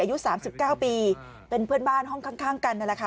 อายุสามสิบเก้าปีเป็นเพื่อนบ้านห้องข้างข้างกันนั่นแหละค่ะ